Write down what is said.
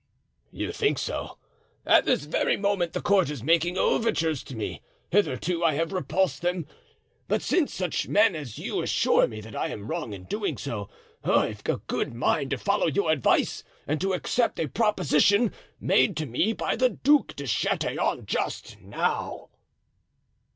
"You think so? At this very moment the court is making overtures to me; hitherto I have repulsed them; but since such men as you assure me that I am wrong in doing so, I've a good mind to follow your advice and to accept a proposition made to me by the Duc de Chatillon just now."